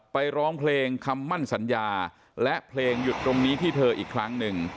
ร้องเพลงคำมั่นสัญญาและเพลงหยุดตรงนี้ที่เธออีกครั้งหนึ่ง